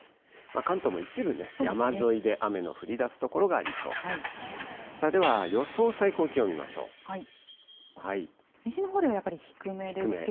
関東も一部ね、山沿いで雨の降りだす所がありそうです。